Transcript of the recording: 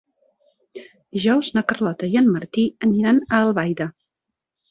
Dijous na Carlota i en Martí aniran a Albaida.